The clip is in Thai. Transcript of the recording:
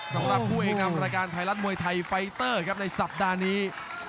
สำหรับผู้เอกนำรายการไทยรัฐมวยไทยไฟเตอร์ครับในสัปดาห์นี้